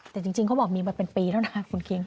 แต่จริงเขาบอกมีมาเป็นปีแล้วนะคุณคิง